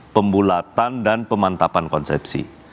pembulatan dan pemantapan konsepsi